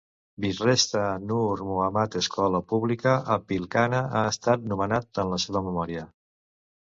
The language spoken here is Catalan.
Birshreshtha Noor Mohammad escola pública a Pilkhana ha estat nomenat en la seva memòria.